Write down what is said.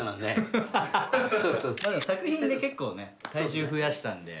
作品で結構体重増やしたんで。